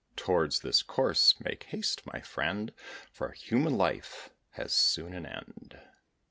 Towards this course make haste, my friend, For human life has soon an end.